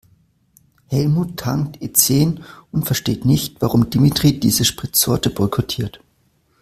Helmut tankt E-zehn und versteht nicht, warum Dimitri diese Spritsorte boykottiert.